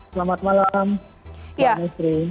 selamat malam pak nusri